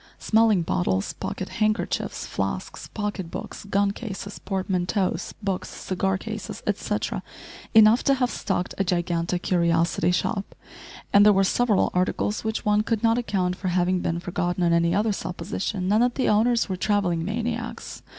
Smelling bottles, pocket handkerchiefs, flasks, pocket books, gun cases, portmanteaux, books, cigar cases, etcetera, enough to have stocked a gigantic curiosity shop, and there were several articles which one could not account for having been forgotten on any other supposition than that the owners were travelling maniacs.